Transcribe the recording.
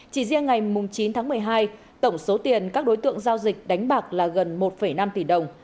chỉ riêng ngày chín tháng một mươi hai tổng số tiền các đối tượng giao dịch đánh bạc là gần một năm tỷ đồng